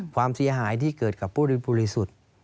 ความเสียหายที่เกิดกับผู้บริสุทธิ์